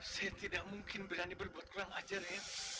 saya tidak mungkin berani berbuat kurang ajar ya